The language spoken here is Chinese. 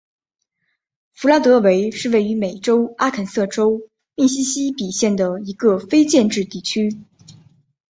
弗拉德韦是位于美国阿肯色州密西西比县的一个非建制地区。